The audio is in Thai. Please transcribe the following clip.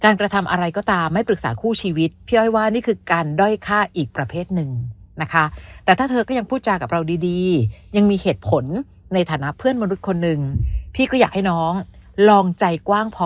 ในฐานะเพื่อนมนุษย์คนนึงพี่ก็อยากให้น้องลองใจกว้างพอ